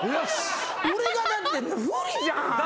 俺がだって不利じゃん。